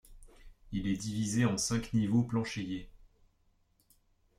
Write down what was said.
Il est divisé en cinq niveaux planchéiés.